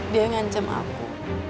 dia yang ngancam aku